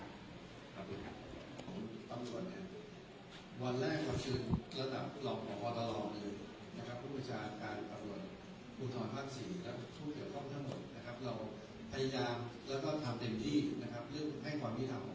บริสุทธิ์ตำรวจวันแรกวันชืนระดับหล่อตลอดอลอมผู้ประชาอันการอบรวชอุทธรรมภาษีและผู้เกี่ยวข้องทั้งหมด